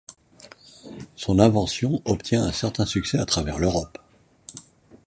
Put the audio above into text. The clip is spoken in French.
Son invention obtient un certain succès à travers l'Europe.